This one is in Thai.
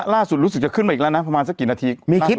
ล่าสุดรู้สึกจะขึ้นไปอีกแล้วนะประมาณสักกี่นาทีมีคลิป